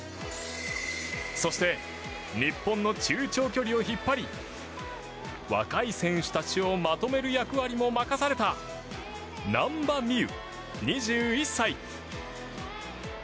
そして日本の中長距離を引っ張り若い選手たちをまとめる役割も任された難波実夢、２１歳。